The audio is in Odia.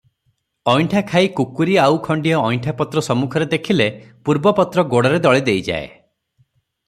ଅଇଣ୍ଠା ଖାଈ କୁକ୍କୁରୀ ଆଉ ଖଣ୍ତିଏ ଅଇଣ୍ଠା ପତ୍ର ସମ୍ମୁଖରେ ଦେଖିଲେ ପୂର୍ବପତ୍ର ଗୋଡ଼ରେ ଦଳିଦେଇଯାଏ ।